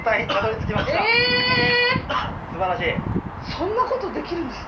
そんなことできるんですか？